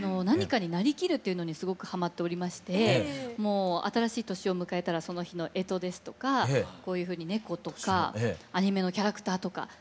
何かになりきるっていうのにすごくハマっておりまして新しい年を迎えたらその干支ですとかこういうふうに猫とかアニメのキャラクターとか。